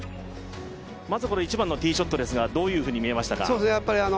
まずこの１番のティーショットでしたがどういうふうに見えましたか？